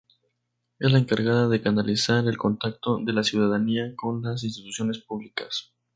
Es la encargada de canalizar el contacto de la ciudadanía con las instituciones públicas.